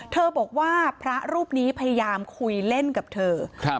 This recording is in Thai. เธอบอกว่าพระรูปนี้พยายามคุยเล่นกับเธอครับ